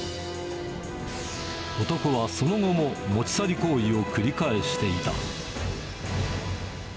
男はその後も持ち去り行為を繰り返していた。